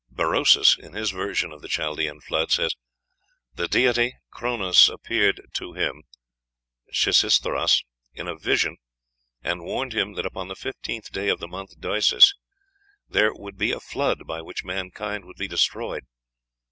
Berosus, in his version of the Chaldean flood, says: "The deity, Chronos, appeared to him (Xisuthros) in a vision, and warned him that, upon the 15th day of the month Doesius, there would be a flood by which mankind would be destroyed.